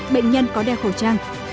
bệnh nhân có đeo khẩu trang